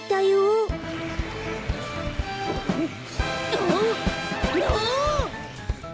あっああ！？